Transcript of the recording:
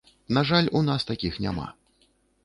На жаль, у нас такіх няма.